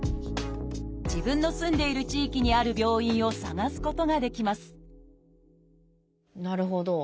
自分の住んでいる地域にある病院を探すことができますなるほど。